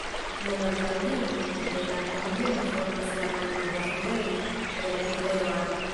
La nordan limon de la komunumo formas la malnova fluejo de la rivero Aro.